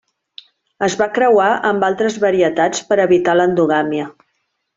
Es va creuar amb altres varietats per a evitar l'endogàmia.